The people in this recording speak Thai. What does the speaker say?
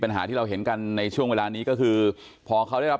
ปัญหาที่เราเห็นกันในช่วงเวลานี้ก็คือพอเขาได้รับ